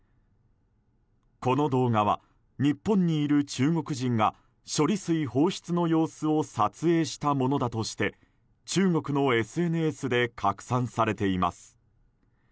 この動画は日本にいる中国人が処理水放出の様子を撮影したものだとして中国のＳＮＳで拡散されています。